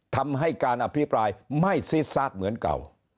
ทำให้การอภิปรายไม่ซีดซาดเหมือนเก่า